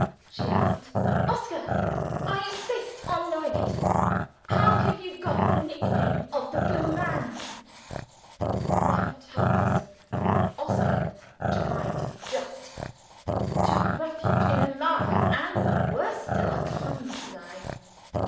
she asked. "Oscar! I insist on knowing it how have you got the nick name of 'The Blue Man'?" Left helpless, Oscar (to my disgust) took refuge in a lie and, worse still, a clumsy lie.